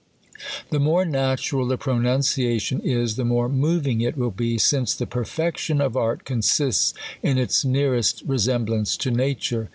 The more natural the pronunciation is, the more moving it will be ; since the perfection of art consists in its nearest resemblance to nature.